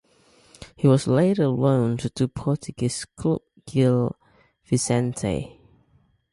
He was later loaned to Portuguese club Gil Vicente.